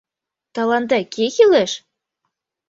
— Тыланда кӧ кӱлеш?